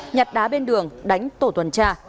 nhặt đá bên đường đánh tổ tuần tra